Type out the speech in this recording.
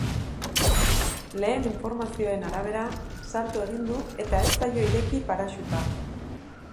Lehen informazioen arabera, salto egin du eta ez zaio ireki paraxuta.